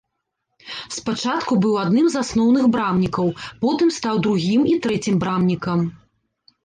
Спачатку быў адным з асноўных брамнікаў, потым стаў другім і трэцім брамнікам.